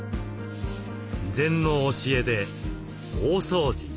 禅の教えで大掃除